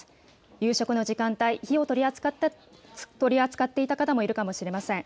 夕食の時間帯、火を取り扱っていた方もいるかもしれません。